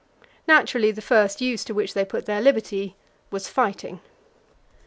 Naturally the first use to which they put their liberty was fighting.